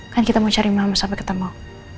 kan kita mau cari mama sampai ketemu